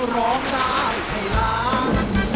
ร้องได้ให้ล้าน